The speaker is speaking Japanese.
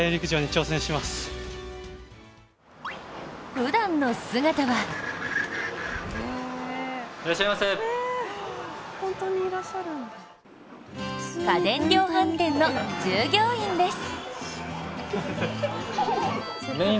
ふだんの姿は家電量販店の従業員です。